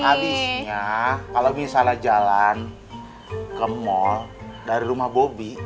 habisnya kalo misalnya jalan ke mall dari rumah bobby